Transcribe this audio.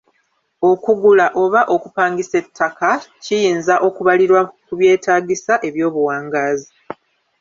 Okugula oba okupangisa ettaka kiyinza okubalirwa ku byetaagisa ebyobuwangaazi.